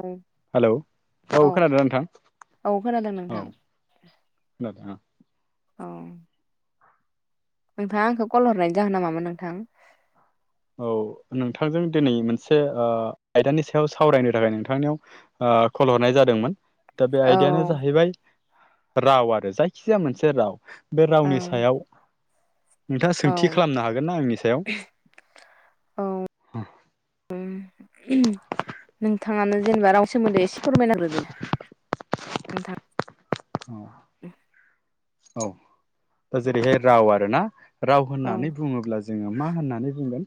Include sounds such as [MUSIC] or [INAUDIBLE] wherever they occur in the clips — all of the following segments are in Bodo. औ हेलौ औ खोनादों नोंथां औ खोनादों औ नोंथां ददा औ नोंथाङा आंखौ कल हरनाय जाहोना मा मोन नोंथां औ नोंथांजों दिनै मोनसे आयदानि सायाव सावरायनो थाखाय नोंथांनियाव खलहरनाय जादोंमोन दा बे औ आयदायानो जाहैबाय राव आरो जायखिजाया मोनसे राव बे रावनि ओं सायाव नोंथाङा सोंथि खालामनो हागोन ना आंनि सायाव औ नोंथाङानो जेनेबा राव सोमोन्दै एसे फोरमायना होग्रोदो नोंथां औ दा जेरैहाय राव आरोना राव औ होननानै बुङोब्ला जोङो मा होननानै बुंगोन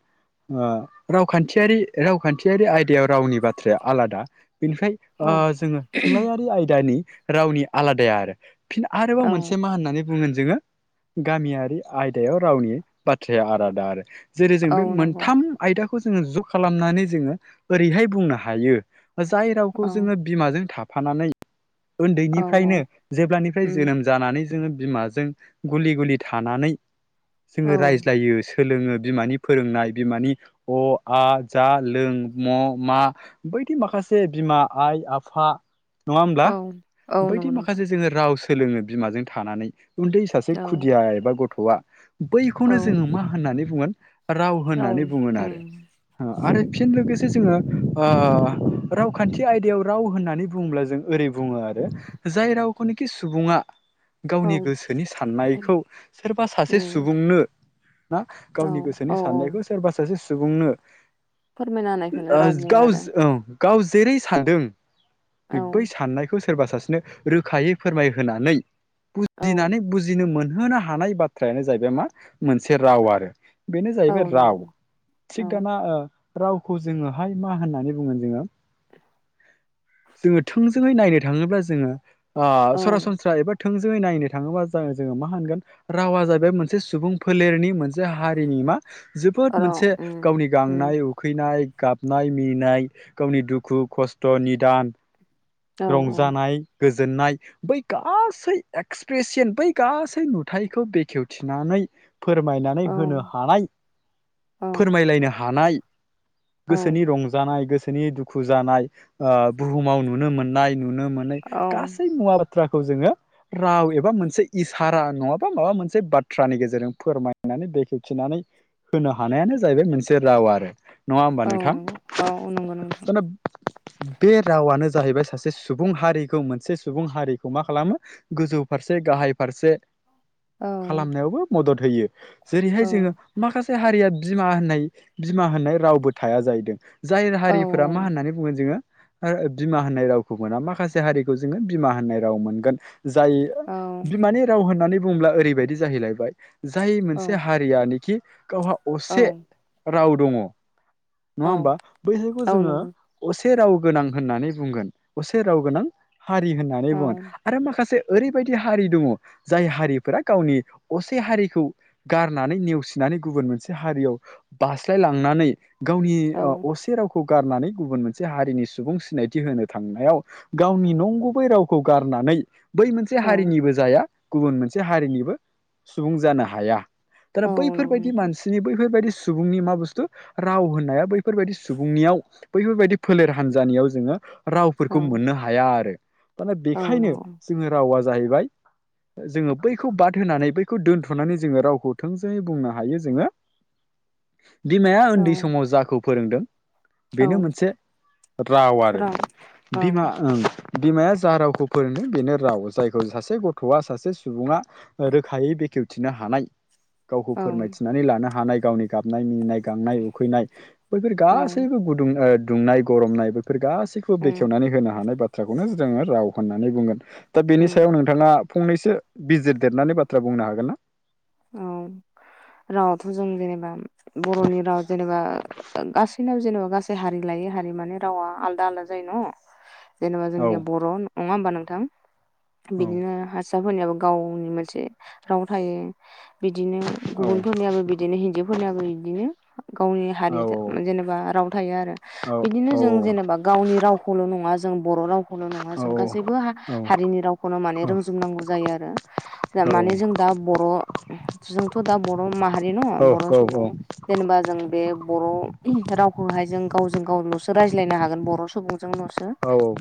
ओ- रावखान्थियारि- रावखान्थियारि आयदायाव रावनि बाथ्राया आलादा बेनिफ्राय औ ओ- जोङो थुनलाइयारि आयदानि रावनि आलादाया आरो फिन आरोबाव औ मोनसे मा होननानै बुंगोन जोङो गामियारि आयदायाव रावनि बाथ्राया आलादा आरो जेरै जों औ बे नंगौ मोनथाम आयदाखौ जोङो ज' खालामनानै जोङो ओरैहाय बुंनो हायो जाय औ रावखौ जोङो बिमाजों थाफानानै उन्दै औ औ फ्रानो जेब्लानिफ्राय उम जोनोम जानानै जोङो बिमाजों गुलि गुलि थानानै औ जोङो रायज्लायो सोलोङो बिमानि फोरोंनाय बिमानि अ आ जा लों म' मा बेबायदि माखासे बिमा आइ आफा नङा होमब्ला औ औ नंगौ बायदि नोंथां माखासे जोङो राव सोलोङो बिमाजों थानानै उन्दै सासे औ खुदिया एबा गथ'आ औ बैखौनो जोङो मा होननानै बुंगोन राव औ होननानै बुङोन आरो उम आरो फिन लोगोसे जोङो ओ रावखान्थि आयदायाव राव होननानै बुङोब्ला जों ओरै बुङो आरो जाय रावखोनोखि सुबुङा औ गावनि उम औ गोसोनि साननायखौ सोरबा सासे सुबुंनो ना औ गावनि गोसोनि औ साननायखौ सोरबा सासे सुबुंनो फोरमायना होनायखौनो राव ओज बुङो गाउस आरो ओं गाव जेरै सानदों औ बै साननायखौ सोरबा सासेनो रोखायै फोरमायहोनानै औ बुजिनानै बुजिनो मोन होनो हानाय बाथ्रायानो जाहैबाय मा मोनसे राव आरो। बेनो औ जाहैबाय नंगौ राव औ थिग दाना ओ रावखौ जोङोहाय मा होननानै बुङो जोङो जोङो थोंजोङै नायनो थाङोब्ला जोङो ओ औ सरासनस्रा एबा थोंजोङै नायनो थाङोबा जा जोङो मा होनगोन रावा जाहैबाय मोनसे सुबुं फोलेरनि मोनसे हारिनि मा जोबोद औ मोनसे उम गावनि उम गांनाय उखैनाय गाबनाय मिनिनाय गावनि दुखु खस्थ' निदान औ रंजानाय गोजोननाय बै गासै एक्सप्रेसेयेन बै गासै नुथायखौ बेखेवथिनानै फोरमायनानै औ होनो हानाय औ फोरमायलायनो हानाय गोसोनि औ रंजानाय गोसोनि दुखु जानाय ओ बुहुमाव नुनो मोननाय नुनो मोनै औ गासै मुवा थ्राखौ जोङो राव एबा मोनसे इसारा नङाबा माबा मोनसे बाथ्रानि गेजेरजों फोरमायनो नानै बेखेवखिनानै होनो हानायानो जाहैबाय मोनसे राव आरो। नङा होमबा औ नोंथां? नंगौ औ नंगौ नोंथां बे रावानो जाहैबाय सासे सुबुं हारिखौ मोनसे सुबुं हारिखौ मा खालामो गोजौ फारसे गाहाय फारसे औ खालामनायावबो मदद होयो जेरैहाय औ जोङो माखास से हारिया बिमा होननाय बिमा होननाय रावबो थाया जाहैदों। जाय औ हारिफोरा मा होननानै बुंगोन जोङो ओ बिमा होननाय रावखौ मोना माखासे हारि खौ जोङो बिमा होननाय राव मोनगोन जाय औ बिमानि राव होनानै बुंब्ला ओरैबायदि जाहैलायबाय जाय औ मोनसे हारियानिखि गावहा औ असे राव दङ नङा औ होनबा बैहायबो औ जोङो नंगौ असे से राव गोनां होननानै बुंगोन असे राव गोनां हारि होननानै औ बुंगोन आरो माखासे ओरैबायदि हारि दङ जाय हारिफोरा गावनि असे हारिखौ गारनानै नेवसिना माने गुबुन मोनसे हारियाव बास्लाय लांनानै गावनि औ अ-असे रावखौ गारनानै गुबुन मोनसे हारिनि सुबुं सिनायथि होनो थांनायाव गावनि नं गुबै रावखौ गारनानै बै मोनसे औ हारिनिबो जाया गुबुन मोनसे हारिनिबो सुबुं जानो हाया। दाना औ नंगौ बैफोरबायदि नोंथां मानसिनि बैफोरबायदि सु सुबुंनि मा बुस्थु राव होननाया बैफोरबायदि सुबुंनियाव बैफोरबायदि फोलेर हान्जानियाव जोङो रावफोरखौ औ मोननो हाया आरो। दाना औ बेखायनो नंगौ जोङो रावा जाहैबाय जोङो बैखौ बाद होनानै बैखौ दोन्थ'नानै जोङो रावखौ थोंजोङै बुंनो हायो जोङो बिमाया औ उन्दै समाव जाखौ फोरोंदों औ बेनो मोनसे राव आरो रां बिमा ओं। बिमाया जा रावखौ फोरोंदों बेनो राव जायखौ सासे गथ'आ सासे सुबुङा रोखायै बे खेवथिनो हानाय गावखौ ओं फोरमायथिनानै लानो हानाय गावनि गाबनाय मिनिनाय गांनाय उखैनाय बैफोर ओं गासैबो गुदुं ओ दुंनाय गरमनाय बैफोर गासैखौबो उम बेखेवनानै होनो हानाय बाथ थ्राखौनो जोङो राव होननानै बुंगोन दा बेनि उम सायाव नोंथाङा फंनैसो बिजिर देरनानै बाथ्रा बुंनो हागोन ना? औ रावाथ' जों जेनेबा बर'नि राव जेनेबा गासैना जेनेबा गासै हारि लायै हारि मानिे रावा आलदा आलदा जायो न जेनेबा औ जोंनिया बर' नङा होमबा नोंथां औ बिदिनो हारसाफोरनिाबो गावनि मोनसे राव थायो बिदिनो औ गुबुनफोरनियाबो बिदिनो हिन्जावफोरनियाबो बिदिनो गावनि हारि औ जेनेबा राव थायो आरो औ बिदिनो औ जों जेनेबा गावनि रावखौल' नङा जों बर' राव न ग हनि रावखौनो म रोंनांगौ जायो आरो माने जों दा बर' जोंथ' दा बर' मा न बर' सुबुं जेनेबा जों बे बर' रावखौहाय जों गावजों गावल'सो रायज्लायनो हागोन बर' सुबुंजोंल'सो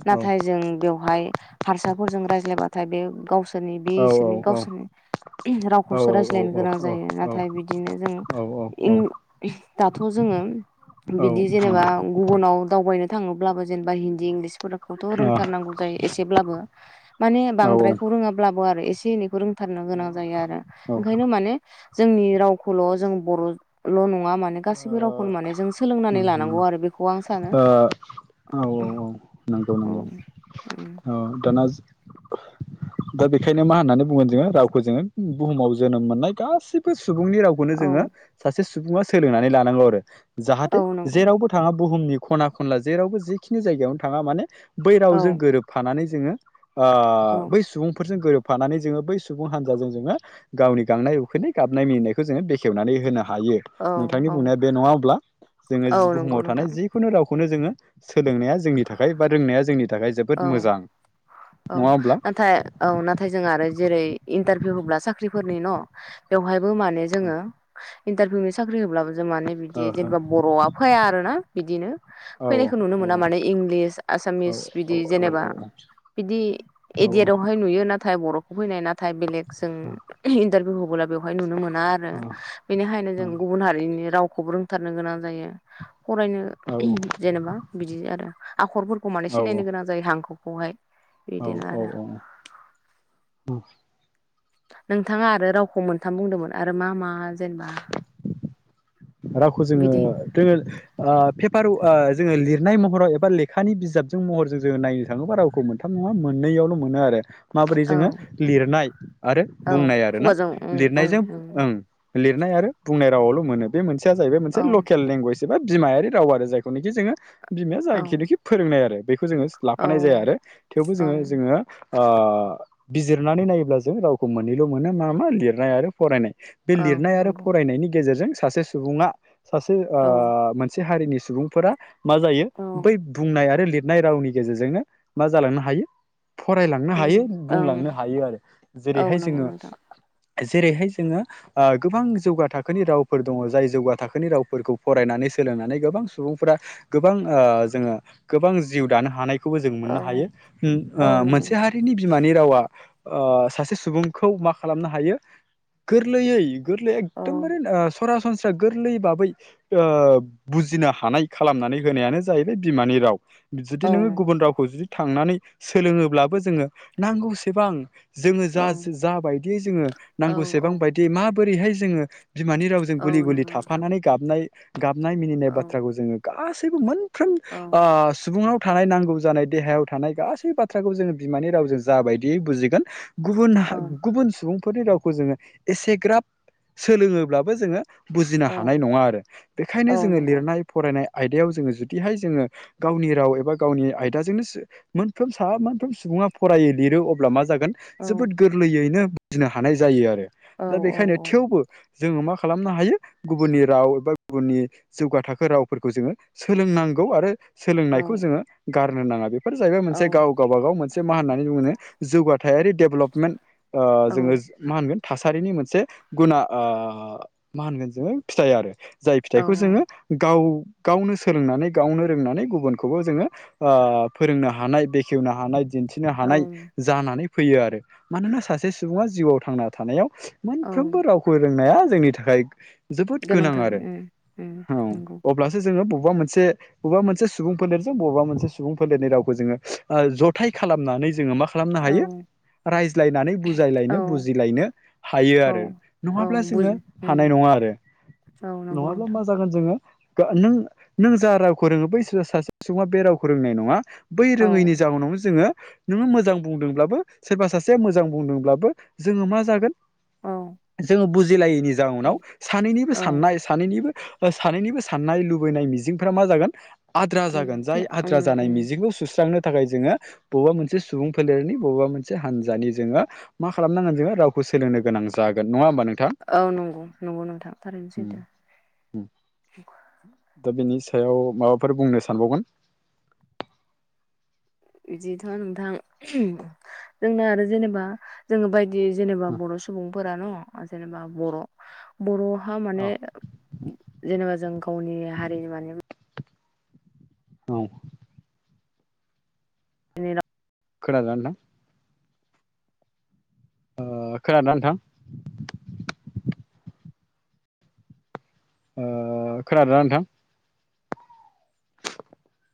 नाथाय जों बेवहाय हारसाफोरजों रायज्लायबाथाय बे गावसोरनि बे इसोरनि गावसोरनि राव खौसो रायज्लायनो गोनां जायो नाथाय बिदिनो जों दाथ' जोङो बिदि जेनेबा गुबुनाव दावबायनो थाङोब्लाबो जेनेबा हिन्दी इंलिस थ' रोंथारनांगौ जायो एसेब्लाबो माने बांद्रायखौ रोङाब्लाबो आरो एसे एनैखौ रों फथारनो गोनां जायो आरो औ ओंखायनो माने जोंनि रावखौल' जों बर'ल' नङा [UNINTELLIGIBLE] मे गासिबो औ ओ रावखौनो माने जों उम सोलोंनानै हो लानांगौ आरो बेखौ आं सानो। ओ औ औ औ नंगौ औ नंगौ औ दाना दा बेखायनो मा होननानै बुंुगोन जोङो रावखौ जोङो बुहुमाव जोनोम मोननाय गासिबो सुबुंनि रावखौनो औ जोङो सासे सुबुङा सोलोंनानै लानांगौ आरो जाहाथे औ नंगौ जेरावबो थाङा बुहुमनि खना खनला जेरावबो जेखिनि जायगायावनो थाङा माने बै औ रावजों गोरोबफानानै जोङो औ बै सुबुंफोरजों गोरोब फानानै जोङो बै सुबुं हानजाजों जोङो गावनि गांनाय उखैनाय गाबनाय मिनिनायखौ जोङो बेखेवनानै होनो हागोन। औ नोंथांनि औ बुंनाया बे नङा अब्ला जोङो औ नंगौ बुहुमाव थानाय नोंथां जिखुनु रावखौ बेखौनो जोङो सोलोंनाया जोंनि थाखाय बा रोंनाया जोंनि थाखाय औ जोबोद मोजां औ नङा होमब्ला नाथाय औ नाथाय जों आरो जेरै इन्टारभिउ होब्ला साख्रि नि न बेवहायबो मान जोङ ओ इारभिउनि साख्रि होब जों माने ओ बिदि हो जेनेबा बर'आ फैया आर ना बिदिनो औ फैनायखौ नुनो औ मोना माने इंलिस आसामिस बिदि जेनेबा बिदि एडयारवहाय नुयो नाथाय बर'खौ फैनाय नाथाय नाथाय बेलेग जों इन्टारभिउ होबोला बेवहाय नुनो मोना आरो बेनिखायनो जों गुबुन हारिनि राव खौ्रोंथारनो गोनां जायो। फरायनो जेनेबा बिदि आरो आखरफोरखौ माने सिनायनो गोनां जायो हांखोखौहाय औ बिदिनो औ आरो औ नोंथाङा आरो रावखौ मोनथाम बुंदोंमोन आरो मा मा जेनेबा रावखौ जोङो बिदि जोङो जोङो लिरनाय महराव एबा लेखानि बिजाबजों महरजों जोङो नायनो थाङोबा रावखौ मोनथाम नङा मोननै यावल' मोनो आरो माबोरै औ जोङो लिरनाय आरो औ बुंनाय आरो ना खुगाजों ओं ओं लिरनायजों ओं लिरनाय आरो बुंनाय रावावल' मोनो बे मोनसेया जाहैबाय मोनसे ओं लकेल लेंगुवेज एबा बिमायारि राव आरो जायखौनोखि जोङो बिमाया औ जायखिनिखि फोरोंनाय आरो बेखौ जोङो औ लाफानाय जाया आरो थेवबो जोङो ओं जोङो ओ बिजिरनानै नायोब्ला जों रावखौ मोननैल' मोनो मा मा लिरनाय आरो फरायनाय बे ओं लिरनाय आरो नंगौ फरायनायनि गेजेरजों सासे सुबुङा सासे औ मोनसे हारिनि सुबुंफोरा मा जायो ओं बै बुंनाय आरो लिर हाबनाय रावनि गेजेरजोंनो मा जालांनो हायो फरायलांनो हायो ओं बुंलांनो हायो आरो औ जेरैहाय नंगौ जोङो नोंथां जेरैहाय जोङो गोबां जौगा थाखोनि रावफोर दङ जाय जौगा थाखोनि रावफोरखौ फरायनानै सोलोंनानै गोबां सुबुंफोरा गोबां जोङो गोबां जिउ दानो हानायखौबो जों मोननो हायो औ औ नंगौ मोनसे नोंथां हारिनि बिमानि रावा ओ सासे सुबुंखौ मा खालामनो हायो गोरलैयै गोरलैयै औ एकदमबारे सरासनस्रा गोरलै बाबै ओ बुजिनो हानाय खालामनानै होनायानो जाहैबाय बिमानि राव जुदि औ नोङो नंगौ गुबुन नोंथां रावखौ जुदि थांनानै सोलोङोब्लाबो जोङो नांगौसेबां जोङो औ जा जा बायदियै जोङो औ औ नांगौसेबां बायदियै माबोरैहाय जोङो बिमानि रावजों औ गुलि गुलि नंगौ नोंथां थाफानानै गाबनाय गाबनाय मिनिनाय औ बाथ्राखौ जोङो गासैबो मोन फ्रोम औ सुबुङाव थानाय नांगौ जानाय देहायाव थानाय गासै बाथ्राखौ जोङो बिमानि रावजों जा बायदियै बुजिगोन गुबुन औ गुबुन सुबुंफोरनि रावखौ जोङो एसेग्राब सोलोङोब्लाबो जोङो बुजिनो औ हानाय नङा आरो बेखायनो औ जोङो नंगौ लिरनाय फरायनाय आयदायाव जोङो जुदिहाय जोङो गावनि राव एबा गावनि आयदाजोंनो मोनफ्रोम सा मोनोम सुबुं बुंङा फरायै लिरो अब्ला मा जागोन औ जोबोद गोरलैयैनो बुजनो हानाय जायो आरो औ दा बेखायनो थेवबो जोङो मा खालामनो हायो गुबुननि राव एबा गुबुननि जौगा थाखो रावफोरखौ जोङो सोलोंनांगौ आरो औ सोलोंनायखौ जोङो गारनो नाङा बेफोर जाहैबाय मोनसे गाव गावबागाव मोनसे मा होननानै बुङो जौगा थाइारि दडेभेलपमेन्ट जोङो मा होनगोन थासारिनि मोनसे गुना ओ मा होनगोन जोङो फिथाइ आरो जाय औ फिथाइखौ जोङो गाव गावनो सोलोंनानै गावनो रोंनानै गुबुनखौबो जोङो ओ फोरोंनो हानाय बेखेवनो हानाय दिन्थिनो औ हानाय जानानै फैयो आरो मानोना सासे सुबुङा जिउआव थांना थानायाव औ मोनफ्रोमबो रावखौ रोंनाया जोंनि थाखाय जोबोद गोनां गोनांथार आरो उम उम औ नंगौ अब्लासो जोङो बबेबा मोनसे बबेबा मोनसे सुबुंफोर लेरजों बबेबा मोनसे सुबुंफोर लेरनाय रावखौ जोङोह जथाय खालामनानै जोङो मा खालामनो औ हायो रायज्लायनानै औ बुजायलायनो बुजिलायनो हायो औ आरो औ नङाब्ला बुज जोङो उम हानाय नङा आरो औ नंगौ नङाब्ला मा नोंथां जागोन जोङो नों नों जा रावखौ रोङो बै सासे सुबुङा बे रावखौ रोंनाय नङा बै औ रोङैनि जावननावनो जोङो नोङो मोजां बुंदोंब्लाबो सोरबा सासेया मोजां बुंदोंब्लाबो जोङो मा जागोन औ जोङो बुजिलायैनि जाउनाव सानैनिबो औ साननाय सानैनिबो सानैनिबो साननाय लुबैनाय मिजिंफोरा मा जागोन आद्रा उम जागोन जाय आद्रा उम जानाय उम मिजिंखौ सुस्रांनो थाखाय जोङो बबेबा मोनसे सुबुं फोलेरनि बबेबा मोनसे हानजानि जोङो मा खालामनांगोन जोङो रावखौ सोलोंनो गोनां जागोन नङा होमबा नोंथां औ नंगौ नंगौ नोंथां थारैनो सैथो दा बिनि सायाव माबाफोर बुंनो सानबावगोन बिदिथ' नोंथां जोंना आरो जेनेबा जोङो बायदि दि जेनेबा बर' सुबुंफोरानो' जेनेबा बर' बर' फा माने औ जेनेबा जों गावनि हारिनि माने औ [UNINTELLIGIBLE] खोनादोंना नोंथां? ओ खोनादोना नोंथां [UNINTELLIGIBLE] ओ खोनादोना नोंथां [UNINTELLIGIBLE]